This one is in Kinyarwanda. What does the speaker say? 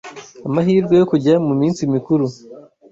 amahirwe yo kujya mu minsi mikuru